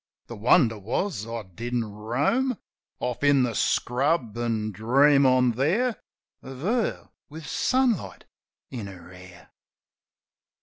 The wonder was I didn't roam Off in the scrub, an' dream on there Of her with sunlight in her hair.